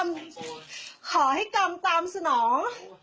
ขอให้กรรมตามสนอง